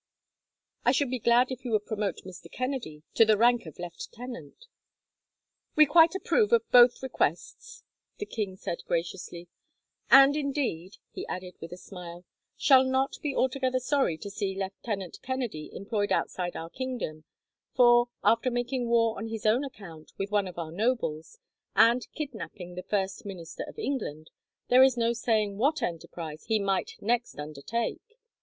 I should be glad if you would promote Mr. Kennedy to the rank of lieutenant." "We quite approve of both requests," the king said graciously; "and indeed," he added with a smile, "shall not be altogether sorry to see Lieutenant Kennedy employed outside our kingdom, for, after making war on his own account with one of our nobles, and kidnapping the first minister of England, there is no saying what enterprise he might next undertake.